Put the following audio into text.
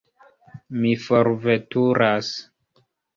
Mi forveturas.